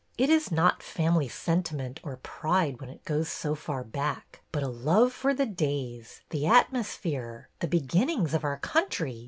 It is not family sentiment or pride when it goes so far back, but a love for the days, the atmosphere, the begin nings of our country.